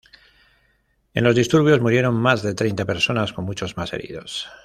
En los disturbios murieron más de treinta personas, con muchos más heridos.